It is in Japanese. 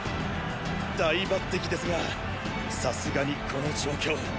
大抜擢ですがさすがにこの状況。